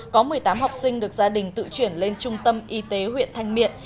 có một mươi tám học sinh được gia đình tự chuyển lên trung tâm y tế huyện thanh miện